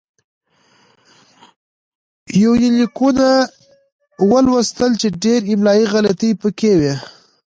يونليکونه ولوستل چې ډېره املايي غلطي پکې وې